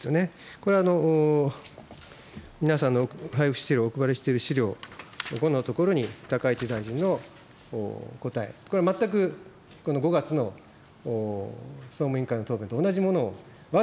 これは皆さんの配布している、お配りしている資料５のところに高市大臣の答え、これは全くこの５月の、総務委員会の答弁と同じものをわざわざ答えてるんですね。